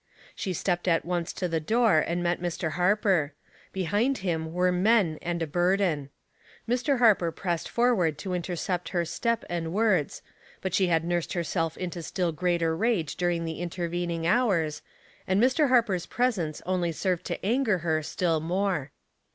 She stepped at once to the door and met Mr. Harper; behind him were men and a burden. Mr. Harper pressed forward to intercept her step and words, but she had nursed herself into still greater rage during the intervening hours, and Mr. Harper's presence only served to anger her still more.